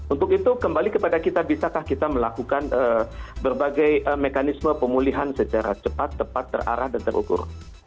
untuk itu kembali kepada kita bisakah kita melakukan berbagai mekanisme pemulihan secara cepat tepat terarah dan terukur